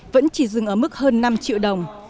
vẫn chỉ dừng ở mức hơn năm triệu đồng